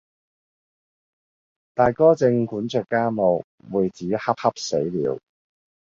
大哥正管着家務，妹子恰恰死了，